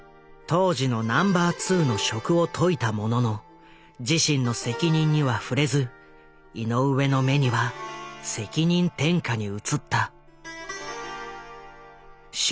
当時のナンバー２の職を解いたものの自身の責任には触れず井上の目には責任転嫁に映った。